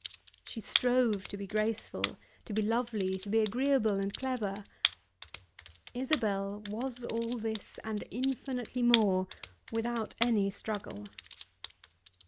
She strove to be graceful, to be lovely, to be agreeable and clever. Isabel was all this and infinitely more without any struggle.